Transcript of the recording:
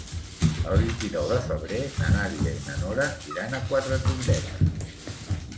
El vint-i-nou de febrer na Nàdia i na Nora iran a Quatretondeta.